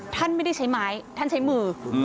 ท่านไม่ได้ใช้ไม้ท่านใช้มือ